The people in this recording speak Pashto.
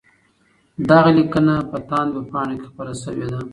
دغه لیکنه په تاند ویبپاڼه کي خپره سوې ده.